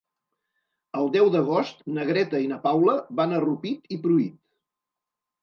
El deu d'agost na Greta i na Paula van a Rupit i Pruit.